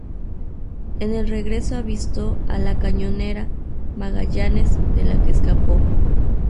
En el regreso avistó a la cañonera "Magallanes", de la que escapó.